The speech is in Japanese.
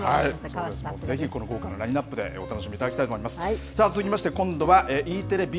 ぜひこの豪華なラインナップでお楽しみいただきたいと思います。